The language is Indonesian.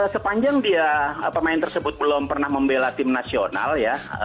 sepanjang dia pemain tersebut belum pernah membela tim nasional ya